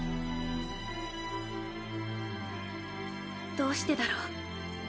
どうしてだろう。